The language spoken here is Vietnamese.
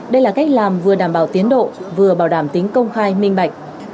đây là cách làm vừa đảm bảo tiến độ vừa bảo đảm tính công khai minh bạch